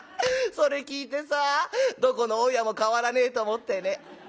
それ聞いてさどこの大家も変わらねえと思ってね」。